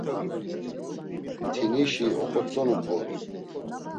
Mtinişi oxotzonu bgorum.